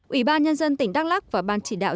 ủy ban nhân dân tỉnh đắk lắc và ban chỉ đạo